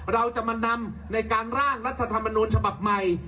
เราจะมานำในการร่างรัฐธรรมนูญฉบับใหม่